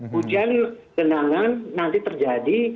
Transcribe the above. hujan genangan nanti terjadi